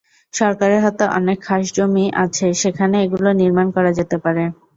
সরকারের হাতে অনেক খাসজমি আছে, সেখানে এগুলো নির্মাণ করা যেতে পারে।